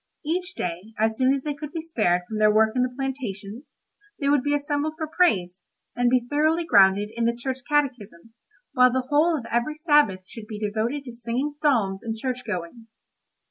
Each day, as soon as they could be spared from their work in the plantations, they would be assembled for praise, and be thoroughly grounded in the Church Catechism, while the whole of every Sabbath should be devoted to singing psalms and church going.